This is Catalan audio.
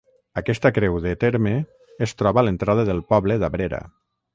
Aquesta creu de terme es troba a l'entrada del poble d'Abrera.